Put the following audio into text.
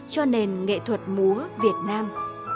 cho nền nghệ thuật múa việt nam